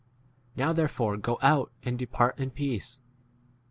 Now there fore go out and depart in peace.